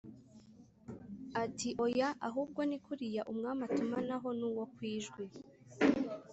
ati"oya ahubwo nikuriya umwami atumanaho nuwo kwijwi